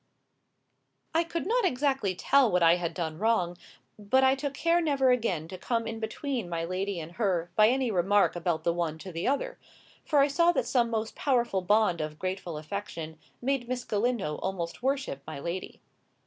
I could not exactly tell what I had done wrong; but I took care never again to come in between my lady and her by any remark about the one to the other; for I saw that some most powerful bond of grateful affection made Miss Galindo almost worship my lady.